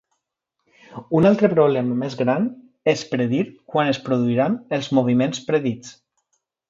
Un altre problema més gran és predir quan es produiran els moviments predits.